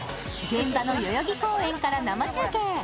現場の代々木公園から生中継。